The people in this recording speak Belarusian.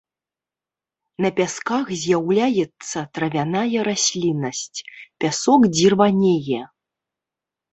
На пясках з'яўляецца травяная расліннасць, пясок дзірванее.